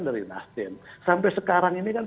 dari nasdem sampai sekarang ini kan